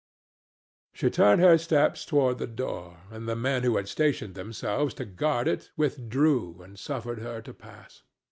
She turned her steps toward the door, and the men who had stationed themselves to guard it withdrew and suffered her to pass.